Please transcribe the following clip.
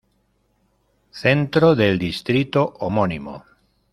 Centro del distrito homónimo.